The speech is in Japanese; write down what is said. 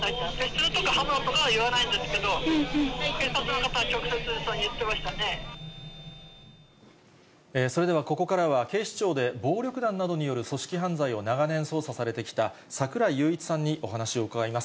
そのとき刃物とか言わないんですけど、警察の方は直接、そういうそれではここからは、警視庁で暴力団などによる組織犯罪を長年捜査されてきた櫻井裕一さんにお話を伺います。